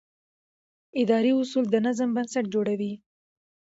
اداري اصول د نظم بنسټ جوړوي.